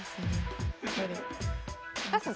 高橋さん